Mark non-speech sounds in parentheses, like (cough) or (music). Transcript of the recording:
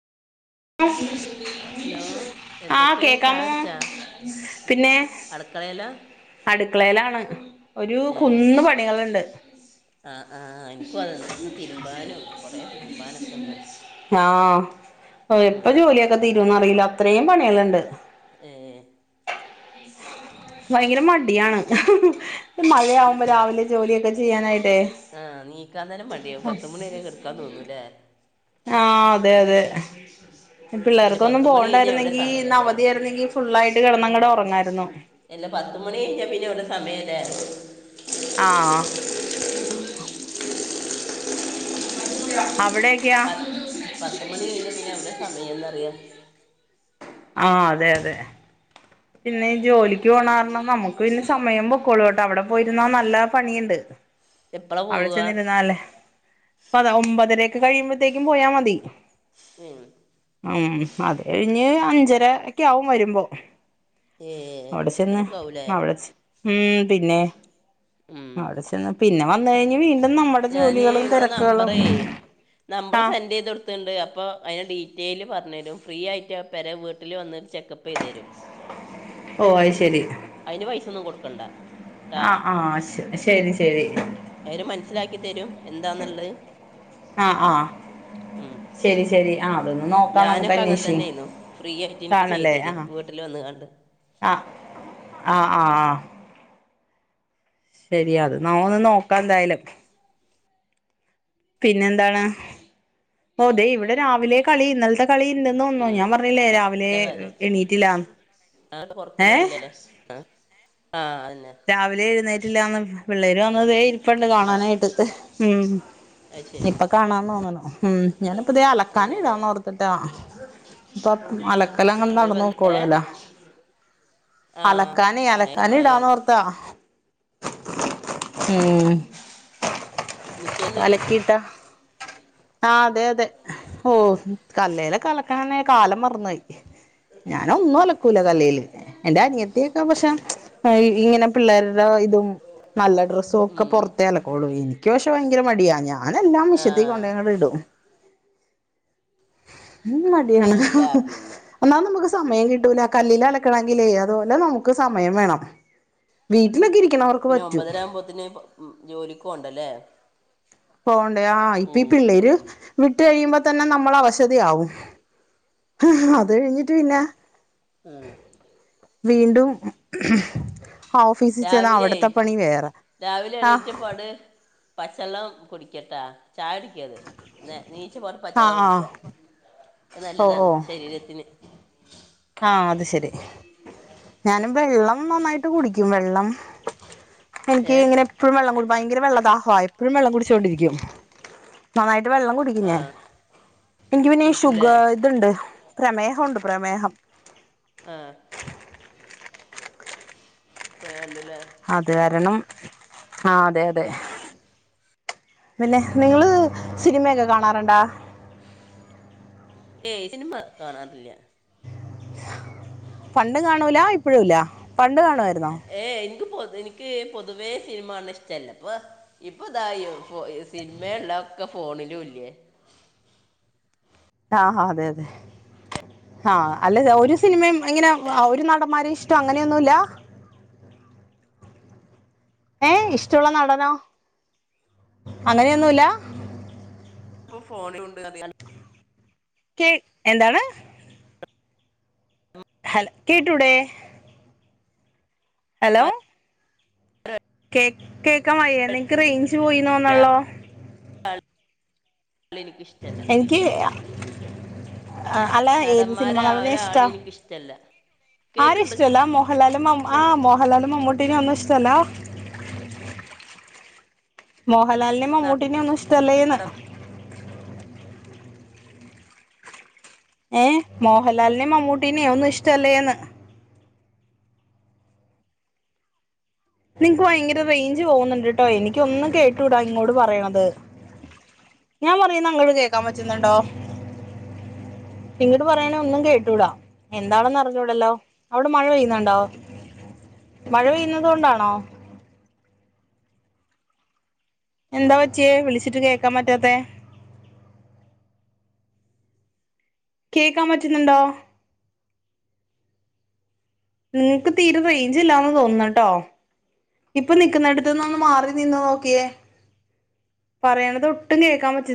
(inaudible) hello ആഹ് എന്തൊക്കെയാ ചായ കേക്കാമോ കുടിച്ചാ പിന്നെ അടുക്കളയിലാ അടുക്കളയിലാണ് ഒരു കുന്ന് പണികളുണ്ട് ആഹ് ആഹ് എനിക്കും അതുണ്ട് തിരുമ്പാനും കൊറേ തിരുമ്പാനൊക്കെ ഒണ്ട് ആഹ് എപ്പം ജോലിയൊക്കെ തീരൂന്ന് അറിയില്ല അത്രയും പണികളുണ്ട് അതേ ഭയങ്കര മടിയാണ് മഴയാവുമ്പോ രാവിലെ ജോലിയൊക്കെ ചെയ്യാനായിട്ടേ ആഹ് എണീക്കാൻ തന്നെ മടിയാവും പത്തുമണിവരെ കെടക്കാൻ തോന്നുയില്ലേ ആഹ് അതെ അതെ പിന്നെ പിള്ളേർക്കൊന്നും പത്ത് മണി കഴിഞ്ഞാൽ എവിടെ പോകണ്ടായിരുന്നെങ്കി ഇന്ന് സമയല്ലേ അവധിയായിരുന്നെങ്കി - ഫുള്ളായിട്ട് കെടന്ന് അങ്ങട് ഒറങ്ങായിരുന്നു ഇല്ല പത്തുമണി കഴിഞ്ഞാ പിന്നെ അവിടെ സമയം ഇല്ലേ ആഹ് അവിടെ- പ പത്ത് മണി കഴിഞ്ഞാ പിന്നെ എവിടാ സമയം എന്നറിയാൻ ആഹ് അതെ അതെ പിന്നെ ജോലിക്ക് പോണ കാരണം നമുക്ക് പിന്നെ സമയം പൊക്കോളും കേട്ടോ അവിടെ പോയിരുന്നാ നല്ല പണിയുണ്ട് എപ്പളാ പോവുക അതാ ഒമ്പതരയൊക്കെ കഴിയുമ്പോഴത്തേക്കും പോയാൽ മതി ഉം (unintelligible) ഉം അത് കഴിഞ്ഞ് അഞ്ചരക്കെ ആകും വരുമ്പോ ഏഹ് (unintelligible) അവിടെ ചെന്ന് അവി (unintelligible) ടെ ഉം പിന്നെ ഉം അവിടെ ചെന്ന് പിന്നെ വന്ന് കഴിഞ്ഞ് വീ ഞാനേ നിങ്ങള് നമ്പറേ നമ്പറ് ആഹ് സെൻഡ് ചെയ്ത് കൊടു ണ്ട് അപ്പോൾ അതിന് ഡീറ്റെയിൽ പറഞ്ഞു തരും ഫ്രീ ആയിട്ട് പെരേ വീട്ടിൽ വന്നിട്ട് ചെക്കപ്പ് ചെയ്തു തരും ഓ അത് ശരി അയിന് പൈസയൊന്നും കൊടുക്കണ്ട ട്ടാ ആഹ് ആഹ് ശ ശരി ശരി ഇവര് മനസ്സിലാക്കി തരും എന്താന്നുള്ളത് ആഹ് ആഹ് ഉം ശരി ശരി ആ അതൊന്ന് നോക്കാം നമുക്ക് ഞാനൊക്കെ അങ്ങനെ അന്വേഷിച്ച് തന്നെയാരുന്നു ഫ്രീ ആയിട്ട് എനിക്ക് ചെയ്ത് കാണല്ലേ തരിവേ ആഹ് വീട്ടില് വന്ന് കണ്ട് ആഹ് ആഹ് ആഹ് ശരിയാ അത് നമുക്കൊന്ന് നോക്കാം എന്തായാലും പിന്നെന്താണ് ഓ ദേ ഇവിടെ രാവിലെ കളി ഇന്നലത്തെ- കളി ഇല്ലന്ന് ഒന്നും ഉം ഞാൻ പറഞ്ഞില്ലേ രാവിലെ നല്ല കാര്യം എണീട്ടില്ലന്ന് അത് ഏ കൊറക്കുന്നത് (unintelligible) രാവിലെ എഴുന്നേറ്റില്ലാന്ന് പിള്ളേര് വന്നതേ ഇപ്പ (unintelligible) ണ്ട് ആ കാണാനായിട്ട് ഉം അത് ശരി ഇപ്പ കാണാന്ന് തോന്നണു ഉം ഞാനിപ്പൊ ദേ അങ്ങനെയല്ലേ അലക്കാനനീടാന്ന് ഓർത്തിട്ടാ ഇപ്പൊ അലക്കലങ്ങ് എന്നൊരു നടന്ന് ബന്ധ ഏ പൊക്കോളുയല്ലോ ആ അലക്കാനെ മഴയാണ് അലക്കാനിടാന്ന് മഴയാണ് ഓർത്താ ഉം മിഷീനിൽ ഇടാ (unintelligible) ണോ അലക്കിയിട്ടാ ആഹ് അതെ അതെ ഓഹ് കല്ലേലൊക്കെ അലക്കണ കാലം മറന്ന് പോയി ഞാൻ ഒന്നും അലക്കൂല കല്ലേല് എന്റെ അനിയത്തി ഒക്കെ പക്ഷെ ഇങ്ങനെ പിള്ളേരുടെ ഇതും നല്ല ഡ്രസ്സുംയൊക്കെ ഉം പുറത്തേ അലക്കോള്ളു എനിക്ക് പക്ഷെ ഭയങ്കര മടിയ ഞാൻ അതെല്ലാം മിഷത്തേക്ക് ആഹ് കൊണ്ടങ്ങോട്ട് ഇടും ആഹ് (unintelligible) അല്ല പിന്നെ ഒന്നാമത് നമുക്ക് സമയം കിട്ടൂല കല്ലിൽ അലക്കണമെങ്കിലേ അതുപോലെ നമുക്ക് സമയം വേണം വീട്ടിലൊക്കെ ഇരിക്കണ പിന്നെ ഒമ്പതരാമ്പോത്തിന് മ് ജോലിക്കോണ്ടല്ലേ പോണ്ടേ ആഹ് ഇപ്പി ഈ പിള്ളേര് വിട്ട് കയ്യുമ്പതന്നെ നമ്മളവശധിയാവും അത് കഴിഞ്ഞിട്ട് പിന്നെ ഉം വീണ്ടും ഓഫീസിൽ ചെന്ന രാവിലെയ് അവിടുത്തെ പണി വേറെ രാവിലെ ആഹ് എണീറ്റപ്പാട് പച്ചള്ളം കുടിക്യട്ടാ ചായടിക്കര്ത് നീച്ചപാട് പച്ചള്ളം ആഹ് ആഹ് കുടിക്യ അത് ഓ നല്ലതാണ് ഓ ശരീരത്തിന് ആഹ് അത് ശെരി ഞാനും വെള്ളം നന്നായിട്ട് കുടിക്കും വെള്ളം എനിക്ക് ഏഹ് ങ്ങനെ എപ്പഴും വെള്ളം കുടി ഭയങ്കര വെള്ള ദാഹ്യ ആ എപ്പഴും വെള്ളം കുടിച്ചോണ്ടിരിക്യും നന്നായിട്ട് വെള്ളം കുടിക്യൂ ഞാൻ ആഹ് എൻക്ക് പിന്നെ കുടിക്കൂലേ ഷുഗർ ഇത്ണ്ട് പ്രമേഹുണ്ട് പ്രമേഹം ആഹ് പ്രേയണ്ട്ലേ അത് കാരണം ആഹ് അതെ അതെ പിന്നെ നിങ്ങള് സിനിമയൊക്കെ കാണാറ്ണ്ടാ ഏയ് സിനിമ കാണാറില്യ പണ്ട് കാണൂല ഇപ്പഴുല്ല പണ്ട് കാണ്യാര് ഏ എൻക്ക് പൊത് നിക്ക് പൊതുവേ സിനിമ കാൺണ ഇഷ്ടല്ല പോ ഇപ്പൊതാ യ് ഫോ അ് സിൻമേണ്ടാ ഒക്കെ ഫോണിലുല്യേ ആഹ് ഹാ അതെ അതെ ആഹ് അല്ലത് ഒരു സിനിമിം ഇങ്ങനെ വ ഒര് നടമാരിഷ്ട്യ അങ്ങനെന്നുല്ല ഏയ് ഇഷ്റ്റള്ള നടനോ അങ്ങനെന്നുല്ല പ ഫോൺലുണ്ട് അതാണ് ക്കെഎന്താണ് (inaudible) ഹല് കേട്ടുടെ അലോ (inaudible) കേ കേക്കാൻ വയ്യേ നിൻക്ക് റൈഞ്ച് പോയി ന്നോന്ന്ണ്ള്ളോ ആൾ ലെനിക്കിഷ്റ്റല്ല എനിക്ക് അഅല്ല ഏത് സിൽമ നടന്മാരെ നടനെ ഒരാളെ ഇഷ്ടം എനിക്കിഷ്ടല്ല കേക്ക്ണ്ട് ആരേഷ്റ്റൊല്ലാ മോഹൻലാലും മം ആഹ് കേക്ക്ണ്ട് മോഹൻലാലും മമ്മൂട്ടീനിഒന്നു ഷ്ടല്ല മോഹൻലാൽനിം മമ്മൂട്ടിനി ഒന്നു ഷ്ട്ടല്ലേന്ന് ഏ മോഹൻലാൽനിം മമ്മൂട്ടീനി ഒന്നു ഷ്ട്ടല്ലേന്ന് നിൻക്ക് വയങ്കര റൈഞ്ച് പോവുന്നുണ്ട് ട്ടോ എനിക്യന്നും കേട്ടുടാ ഇങ്ങോട് പറയ്ണത് ഞാമ്പറയുന്ന അങ്ങട്കേക്കാമ്പറ്റ് ന്നുണ്ടോ ഇങ്ങട്ട് പറയാണ ഒന്നും കേട്ടൂടാ എന്താണന്നറിഞ്ഞൂടല്ലോ അവ്ടെ മഴ പെയ്യുന്നഅണ്ടോ മഴ പെയ്യുന്നതോ ണ്ടാണ് ആഹ് എന്താ പറ്റിയേ വിളിച്ചിട്ട് കേക്കാൻ പറ്റാത്തെ കേക്കാൻ പറ്റ്ന്ന്ണ്ടോ നിൻക്ക് തീരെ റൈഞ്ചില്ലാന്ന് തോന്നട്ടോ ഇപ്പൊ നിക്ക്ന്നേട്ത്ത്ന്ന് ഒന്ന് മാറി നിന്ന് നോക്കിയേ പറയണത് ഒട്ടും കേൾക്കാമ്പറ്റ്